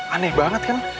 aneh banget kan